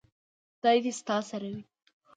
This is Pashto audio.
خدای دې ستا سره وي .